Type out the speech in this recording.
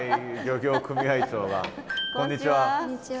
こんにちは。